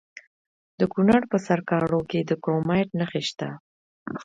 د کونړ په سرکاڼو کې د کرومایټ نښې شته.